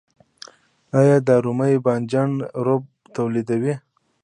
آیا د رومي بانجان رب تولیدوو؟